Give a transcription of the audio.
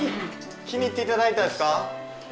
気に入っていただいたんですか？